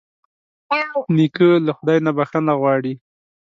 نیکه له خدای نه بښنه غواړي.